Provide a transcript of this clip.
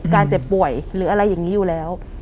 เจ็บป่วยหรืออะไรอย่างนี้อยู่แล้ว